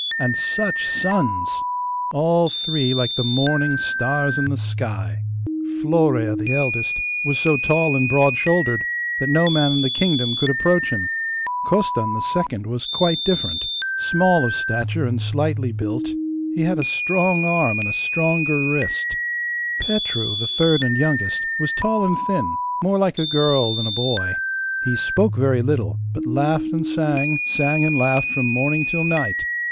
And such sons! All three like the morning stars in the sky! Florea, the eldest, was so tall and broad shouldered that no man in the kingdom could approach him. Costan, the second, was quite different. Small of stature, and slightly built, he had a strong arm and stronger wrist. Petru, the third and youngest, was tall and thin, more like a girl than a boy. He spoke very little, but laughed and sang, sang and laughed, from morning till night.